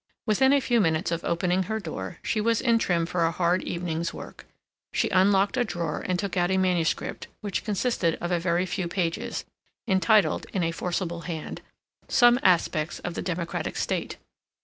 Within a few minutes of opening her door, she was in trim for a hard evening's work. She unlocked a drawer and took out a manuscript, which consisted of a very few pages, entitled, in a forcible hand, "Some Aspects of the Democratic State."